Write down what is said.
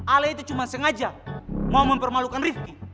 ale itu cuma sengaja mau mempermalukan rifki